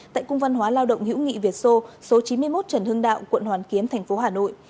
tại cung văn hóa lao động hữu nghị việt sô số chín mươi một trần hưng đạo quận hoàn kiếm thành phố hà nội